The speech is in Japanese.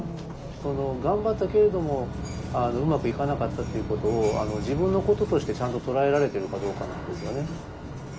頑張ったけれどもうまくいかなかったっていうことを自分のこととしてちゃんと捉えられてるかどうかなんですよね。